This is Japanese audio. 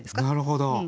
なるほど。